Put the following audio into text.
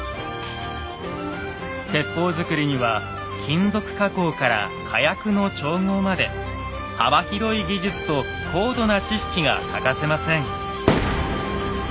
鉄砲作りには金属加工から火薬の調合まで幅広い技術と高度な知識が欠かせません。